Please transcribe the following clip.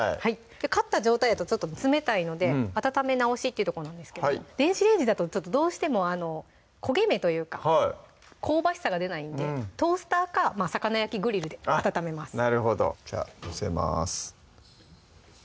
買った状態やとちょっと冷たいので温め直しっていうとこなんですけども電子レンジだとちょっとどうしても焦げ目というか香ばしさが出ないんでトースターか魚焼きグリルで温めますなるほどじゃあ載せます